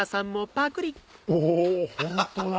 お本当だ！